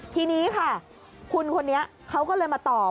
ทีนี้ค่ะคุณคนนี้เขาก็เลยมาตอบ